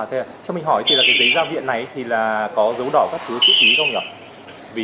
à thế ạ cho mình hỏi thì cái giấy ra viện này thì có dấu đỏ các thứ chữ chí không nhỉ